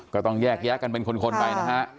ก็ต้องแยกแยะกันเป็นคนไปนะฮะ